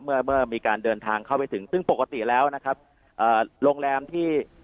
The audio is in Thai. เมื่อเมื่อมีการเดินทางเข้าไปถึงซึ่งปกติแล้วนะครับเอ่อโรงแรมที่